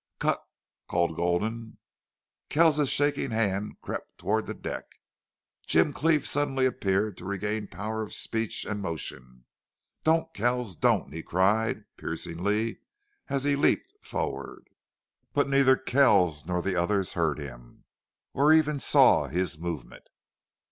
"Cut!" called Gulden. Kells's shaking hand crept toward the deck. Jim Cleve suddenly appeared to regain power of speech and motion. "Don't, Kells, don't!" he cried, piercingly, as he leaped forward. But neither Kells nor the others heard him, or even saw his movement.